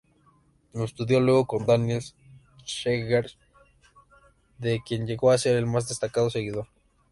Estudió luego con Daniel Seghers, de quien llegó a ser el más destacado seguidor.